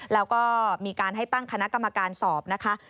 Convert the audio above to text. แล้วก็มีการให้ตั้งคณะกรรมการสอบนะคะ